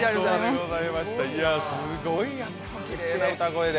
すごいやっぱりきれいな歌声で。